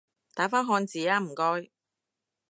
打返漢字吖唔該